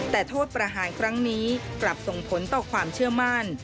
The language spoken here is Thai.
แต่โทษประหารครั้งนี้กลับส่งผลต่อความเชื่อมั่น